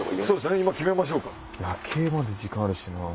今決めましょうか夜景まで時間あるしな。